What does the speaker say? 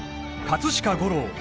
葛飾吾郎